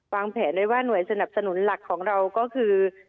แผนไว้ว่าหน่วยสนับสนุนหลักของเราก็คือ